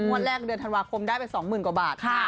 แรกเดือนธันวาคมได้ไป๒๐๐๐กว่าบาท